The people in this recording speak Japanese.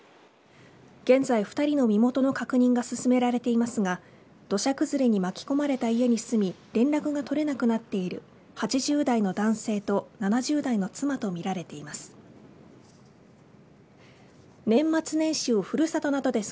現在２人の身元の確認が進められていますが土砂崩れに巻き込まれた家に住み連絡が取れなくなっている８０代の男性と７０代の妻とみられています。